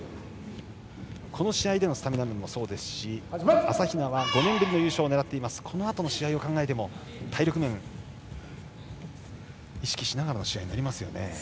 この試合でのスタミナもそうですし朝比奈は５年ぶりの優勝を狙っているのでこのあとの試合を考えても体力面を考えての試合になりますよね。